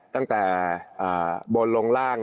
ตั้งแต่บนลงล่าง